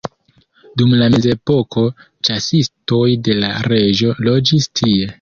Dum la mezepoko ĉasistoj de la reĝo loĝis tie.